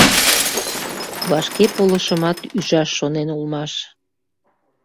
— «Вашкеполышымат» ӱжаш шонен улмаш.